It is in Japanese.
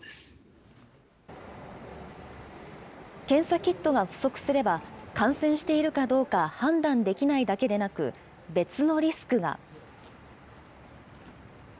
検査キットが不足すれば、感染しているかどうか判断できないだけでなく、別のリスクが。